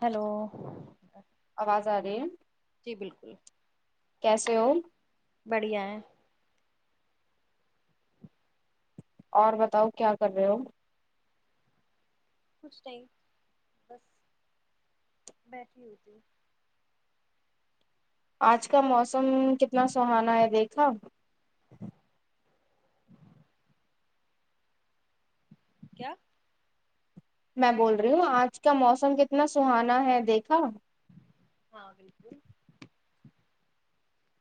hello آواز آ رہی ہے جی بالکل کیسے ہو بڑھیا ہے اور بتاؤ کیا کر رہے ہو کچھ نہیں بس بیٹھی ہوئی تھی آج کا موسم کتنا سہانا ہے دیکھا کیا میں بول رہی ہوں آج کا موسم کتنا سہانا ہے دیکھا ہاں بالکل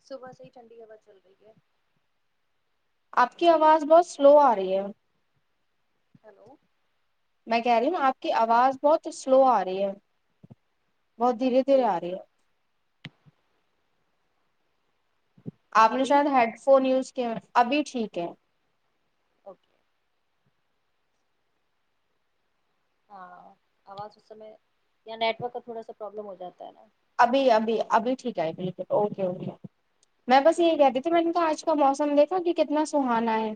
صبح سے ہی ٹھڈی ہوا چل رہی ہے آپ کی آواز بہت سلو آ رہی ہے ہیلو میں کہہ رہی ہوں نا آپ کی آواز بہت سلو آ رہی ہے بہت دھیرے دھیرے آ ایک رہی منٹ ہے آپ نے ابھی شاید ہیڈ فون یوز کیا ابھی ٹھیک ہے اوکے ہاں آواز اس سمے یہا نیٹ ورک کا تھوڑا سا پرابلم ہو جاتا ہے نا ابھی ابھی ابھی ٹھیک ہے بالکل اوکے اوکے میں بس ٹھیک یہی ہے کہتی تھی میں نے تو آج کا موسم دیکھا کی کتنا سہانا ہے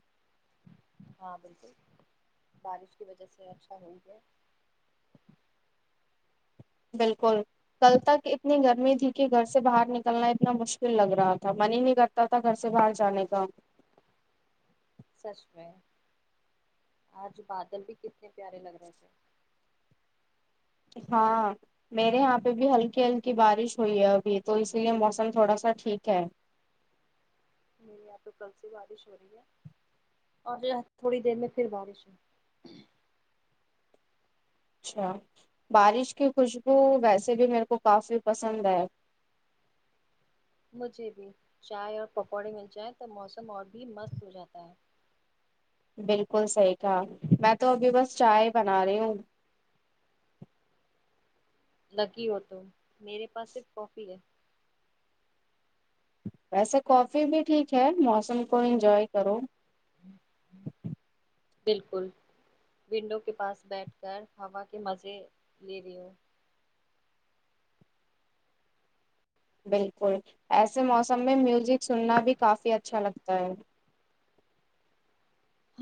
ہاں بالکل بارش کی وجہ سے اچھا ہوئی ہے بالکل کل تک اتنی گرمی تھی کی گھر سے باہر نکلنا اتنا مشکل لگ رہا تھا من ہی نہیں کر تا تھا گھر سے باہر جانے کا سچ میں آج بادل بھی کتنے پیارے لگ رہے ہیں ہاں میرے یہاں پے بھی ہلکی ہلکی بارش ہوئی ہے ابھی تو اس لیے موسم تھوڑا سا ٹھیک ہے میر یہاں تو کل سے بارش ہو رہی ہے ابھی تھوڑی دیر میں پھر بارش ہو اچھا بارش کی خوشبو ویسے بھی میرے کو کافی پسند ہے مجھے بھی چائے اور پکوڑے مل جائیں تو موسم اور بھی مست ہو جاتا ہے بالکل صحیح کہا میں تو ابھی بس چائے بنا رہی ہوں لکی ہو تو میرے پاس صرف کافی ہے ویسے کافی بھی ٹھیک ہے موسم کو انجوائے کرو بالکل ونڈو کے پاس بیٹھ کر ہوا کے مزے لے رہی ہوں بالکل ایسے موسم میں میوزک سننا بھی کافی اچھا لگتا ہے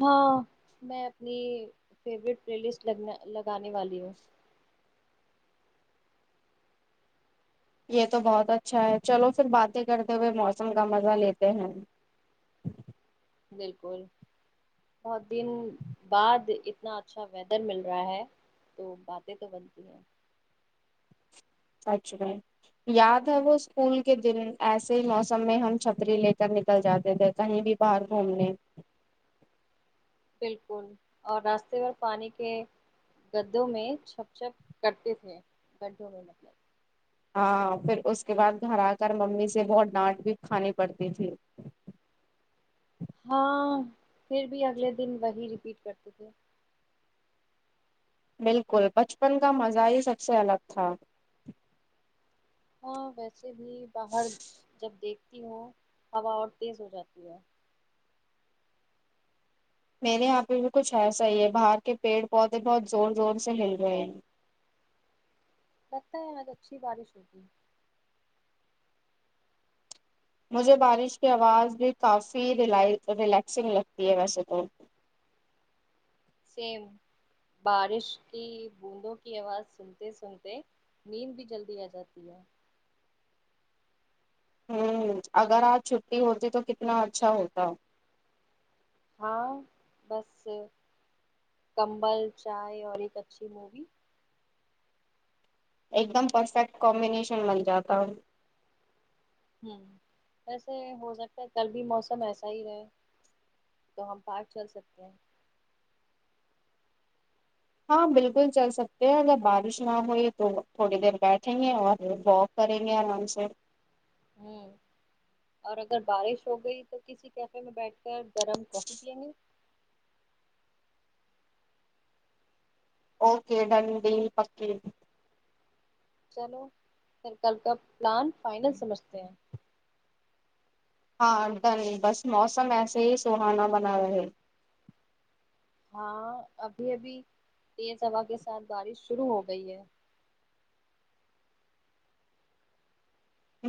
ہاں میں اپنی فیوریٹ پلے لسٹ لگ لگانے والی ہوں یہ تو بہت اچھا ہے چلو فھر باتیں کرتے ہوئے موسم کا مزہ لیتے ہیں بالکل بہت دن بعد اتنا اچھا ویدر مل رہا ہے تو باتیں تو بنتی ہیں سچ بائی یاد ہے وہ اسکول کے دن ایسے ہی موسم میں ہم چھتری لے کر نکل جاتے تھے کہیں بھی باہر گھومنے بالکل اور راستے پر پانی کے گدوں میں چھپ چھپ کرتے تھے گڈھوں میں مطلب ہاں پھر اس کے بعد گھر آ کر ممی سے بہت ڈانٹ بھی کھانی پڑتی تھی ہاں پھر بھی اگلے دن وہی رپیٹ کرتے تھے بالکل بچپن کا مزہ ہی سب سے الگ تھا ہاں ویسے بھی باہر جب دیکھتی ہوں ہوا اور تیز ہو جاتی ہے میرے یہاں پہ بھی کچھ ایسا ہی ہے باہر کے پیڑ پودے بہت زور زور سے ہل گئے ہیں لگتا ہے آج اچھی بارش ہوگی مجھے بارش کی آواز بھی کافی ریلایک ریلیکسنگ لگتی ہے ویسے تو سیم بارش کی بوندوں کی آواز سنتے سنتے نیند بھی جلدی آ جاتی ہے ہوں اگر آج چھٹی ہوتی تو کتنا اچھا ہوتا ہاں بس کمبل چائے اور ایک اچھی مووی ایک دم پرفیکٹ کمبینیشن بن جاتا ہوں ہوں ایسا ہے ہو سکتا ہے کل بھی موسم ایسا ہی رہے تو ہم پانچ چل سکتے ہیں ہاں بالکل چل سکتے ہیں اگر بارش نہ ہوئی تو تھوڑی دیر بیٹھنگے اور ب کریں گے آرام سے ہوں اور اگر بارش ہو گئی تو کسی کیفے میں بیٹھ کر گرم کافی پینگے او کے ڈن ڈیل پکی چلو پھر کل کا پلان فائنل سمجھتے ہیں ہاں ڈن بس موسم ایسے ہی سہانا بنا رہے ہاں ابھی ابھی تیز ہوا کے ساتھ بارش شروع ہو گئی ہے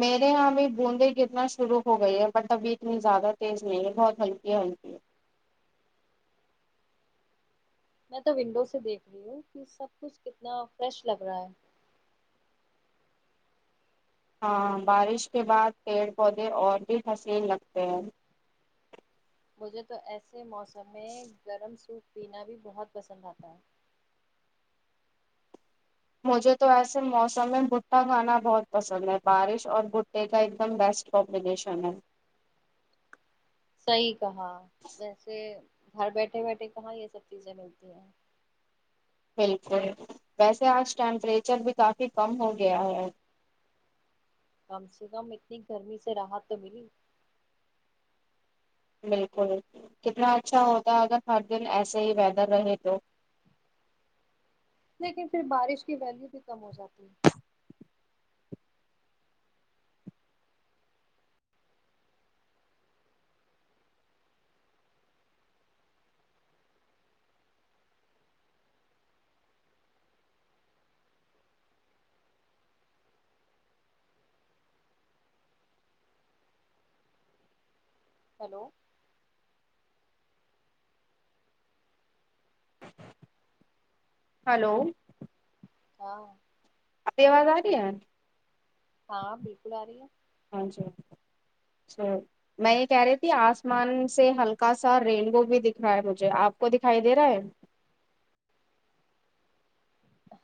میرے یہاں بھی بوندیں گرنا شروع ہو گئی ہے بٹ ابھی اتنی زیادہ تیز نہیں ہے بہت ہلکی ہلکی ہے میں تو ونڈو سے دیکھ رہی ہوں کہ سب کچھ کتنا فریش لگ رہا ہے ہاں بارش کے بعد پیڑ پودے اور بھی حسین لگتے ہیں مجھے تو ایسے موسم میں گرم سوپ پینا بھی بہت پسند آتا ہے مجھے تو ایسے موسم میں بھٹا کھانا بہت پسند ہے بارش اور بھٹے کا ایک دم بیسٹ کومو مپلیکشھنم ہے صحیح کہا ویسے گھر بیٹھے بیٹھے کہاں یہ سب چیزیں ملتی ہیں بالکل ویسے آج ٹیمپریچر بھی کافی کم ہو گیا ہے کم سے کم اتنی گرمی سے راحت تو ملی بالکل کتنا اچھا ہوتا ہے اگر ہر دن ایسے ہی ویدر رہے تو لیکن پھر بارش کی ویلیو بھی کم ہو جاتی ہے ہیلو ہلو ہاں اپپی آواز آ رہی ہےی ہاں بالکل آ رہی ہے ہاں جی سر میں یہ کہہ رہی تھی آسمان سے ہلکا سا رینو بھی دکھ رہا ہے مجھے آپ کو دکھائی دے رہا ہے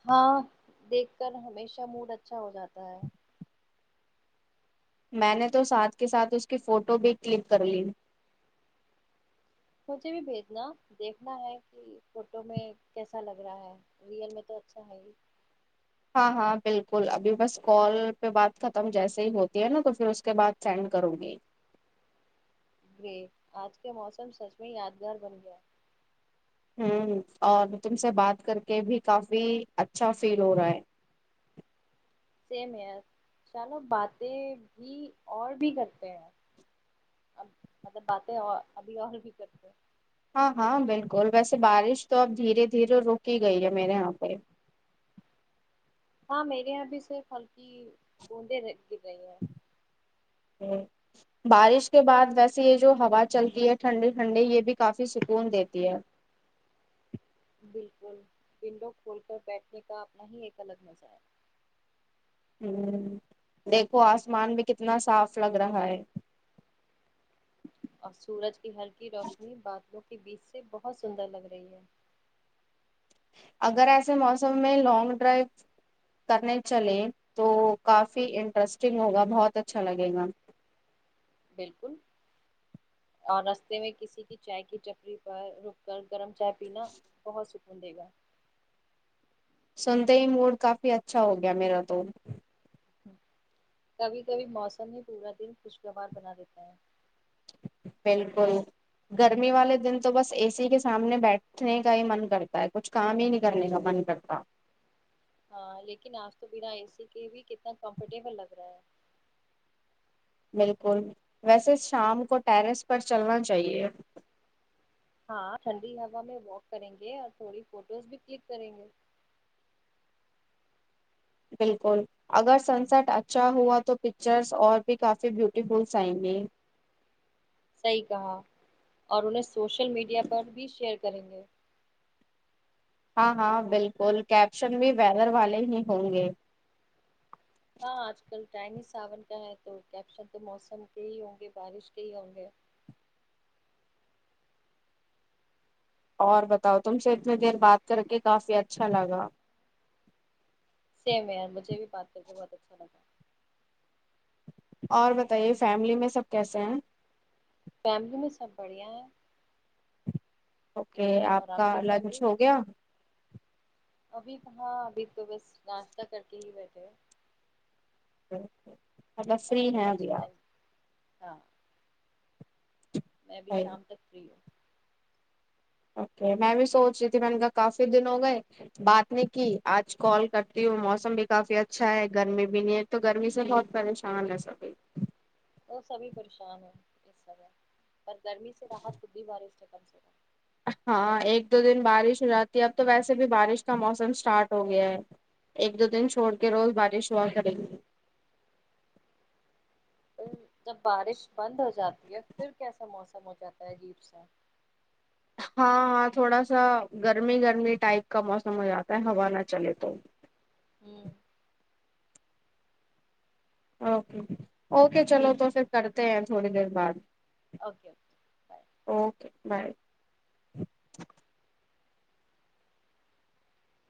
ہاں دیکھ کر ہمیشہ موڈ اچھا ہو جاتا ہے میں نے تو ساتھ کے ساتھ اس کی فوٹو بھی کلک کر لی مجھے بھی بھیجنا دیکھنا ہے کہ فوٹو میں کیسا لگ رہا ہے ریئل میں تو اچھا ہے ہی ہاں ہاں بالکل ابھی بس کال پہ بات ختم جیسے ہی ہوتی ہے نا تو پھر اس کے بعد سینڈ کروں گی گے آج کے موسم سچ میں یادگار بن گیا ہ اور تم سے بات کر کے بھی کافی اچھا فیل ہو رہا ہے سیم ہے چانو باتیں بھی اور بھی کرتے ہیں اب مطلب باتیں اور ابھی اور بھی کرتے ہاں ہاں بالکل ویسے بارش تو اب دھیرے دھیرے رکی گئی ہے میرے یہاں پہ ہاں میرے یہاں بھی صرف ہلکی بوندیں گر رہی ہیں جوں بارش کے بعد ویسے یہ جو ہوا چلتی ہے ٹھنڈی ٹھنڈی یہ بھی کافی سکون دیتی ہے بالکل ونڈو کھول کر بیٹھنے کا اپنا ہی ایک الگ مزہ ہے ہوں دیکھو آسمان بھی کتنا صاف لگ رہا ہے اور سورج کی ہلکی روشنی بادلوں کے بیچ سے بہت سندر لگ رہی ہے اگر ایسے موسم میں لانگ ڈرائیو کرنے چلے تو کافی انٹرسٹنگ ہوگا بہت اچھا لگے گا بالکل اور رستے میں کسی کی چائے کی چپری پر رک کر گرم چائے پینا بہت سکون دے گا سنتے ہی موڈ کافی اچھا ہو گیا میرا تو کبھی کبھی موسم ہی پورا دن خوشگوار بنا دیتا ہے بالکل گرمی والے دن تو بس اے سی کے سامنے بیٹھنے کا ہی من کرتا ہے کچھ کام ہی نہیں کرنے کا من کرتا ہاں لیکن آج تو بنا اے سی کے بھی کتنا کمفرٹیبل لگ رہا ہے بالکل ویسے شام کو ٹیرس پر چلنا چاہیے ہاں ٹھنڈی ہوا میں واک کریں گے اور تھوڑی فوٹوز بھی کلک کریں گے بالکل اگر سن سٹ اچھا ہوا تو پچرس اور بھی کافی بیوٹیفلس آئیں گے صحیح کہا اور انہیں سوشل میڈیا پر بھی شیئر کریں گے ہاں ہاں بالکل کیپشن بھی ویدر والے ہی ہوں گے ہاں آج کل ٹائنی ساون کا ہے تو کیپشن تو موسم کے ہی ہوں گے بارش کے ہی ہوں گے اور بتاؤ تم سے اتنی دیر بات کر کے کافی اچھا لگا سیم یار مجھے بھی بات کر کے بہت اچھا لگا اور بتائیے فیملی میں سب کیسے ہیں فیملی میں سب بڑھیا ہیں اوکے آپ اور کا کی لنچ فیملی ہو گیا ابھی تو ہاں ابھی تو بس ناشتہ کر کے ہی بیٹھے ہیں تو ابھی تو لنچ ٹائم ہاں میں بھی شام تک فری ہوں اوکے میں بھی سوچ رہی تھی میں نے کہ کافی دن ہو گئے بات نہیں کی آج کال کرتی ہوں موسم بھی کافی اچھا ہے گرمی بھی نہیں ہے تو گرمی سے بہت پریشان رہ سکے وہ سبھی پریشان ہیں اس سبح پر گرمی سے راحت خود بھی بارش کم سےا ہاں ایک دو دن بارش ہو جاتی ہے اب تو ویسے بھی بارش کا موسم اسٹارٹ ہو گیا ہے ایک دو دن چھوڑ کے روز بارش ہوا کریں گی جب بارش بند ہو جاتی ہے پھر کیسا موسم ہو جاتا ہے عجیب سا ہاں ہاں تھوڑا سا گرمی گرمی ٹائپ کا موسم ہو جاتا ہے ہوا نہ چلے تو ہوں اوکے اوکے چلو ٹھیک تو ہے پھر کرتے ہیں تھوڑی دیر بعد اوکے بائے اوکے بائے